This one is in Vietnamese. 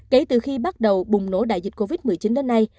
kể từ khi bắt đầu bùng nổ đại dịch covid một mươi chín đến nay